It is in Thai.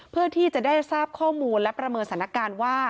เพื่อที่จะได้ทราบข้อมูลและประเมินสถานการณ์ว่า